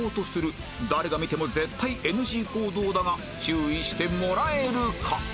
誰が見ても絶対 ＮＧ 行動だが注意してもらえるか？